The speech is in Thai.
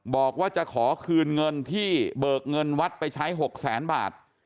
บอกว่าจะขอคืนเงินที่เบิกเงินวัดไปใช้๖แสนบาท